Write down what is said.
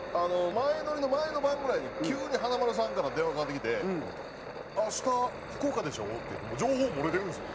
前乗りの前の晩ぐらいに急に華丸さんから電話かかってきて「明日福岡でしょ？」って情報漏れてるんですよ。